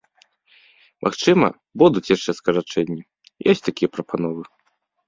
Магчыма, будуць яшчэ скарачэнні, ёсць такія прапановы.